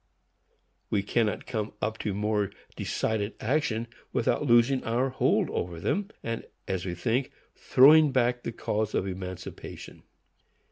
We cannot come up to more decided action without losing our hold over them, and, as we think, throwing back the cause of emancipation.